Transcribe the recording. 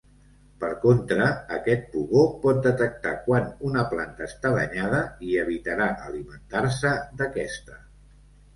Per contra, aquest pugó pot detectar quan una planta està danyada i evitarà alimentar-se d'aquesta.